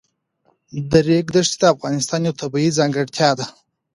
د ریګ دښتې د افغانستان یوه طبیعي ځانګړتیا ده.